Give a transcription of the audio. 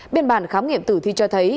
biên bản khám nghiệm tử thi cho thấy